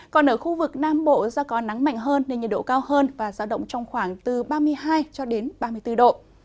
còn ở khu vực nam bộ do có nắng mạnh hơn nên nhiệt độ cao hơn và giao động trong khoảng ba mươi hai ba mươi bốn độ